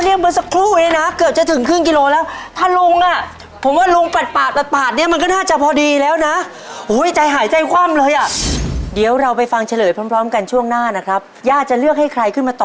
เยี่ยมนะฮะใส่ก๋วใส่ก๋วก๋วก๋วก๋วก๋วก๋วก๋วก๋วก๋วก๋วก๋วก๋วก๋วก๋วก๋วก๋วก๋วก๋วก๋วก๋วก๋วก๋วก๋วก๋วก๋วก๋วก๋วก๋วก๋วก๋วก๋วก๋วก๋วก๋วก๋วก๋วก๋วก๋วก๋วก๋วก๋วก๋วก๋วก๋วก๋วก๋วก๋วก๋วก๋วก